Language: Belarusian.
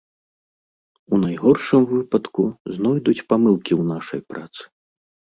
У найгоршым выпадку знойдуць памылкі ў нашай працы.